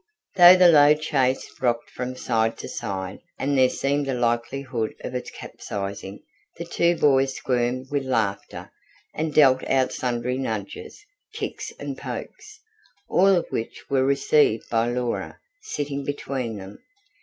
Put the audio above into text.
Though the low chaise rocked from side to side and there seemed a likelihood of it capsizing, the two boys squirmed with laughter, and dealt out sundry nudges, kicks and pokes, all of which were received by Laura, sitting between them.